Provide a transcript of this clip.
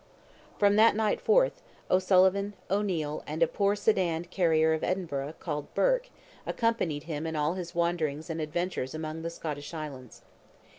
From that night forth, O'Sullivan, O'Neil, and a poor sedan carrier of Edinburgh, called Burke, accompanied him in all his wanderings and adventures among the Scottish islands.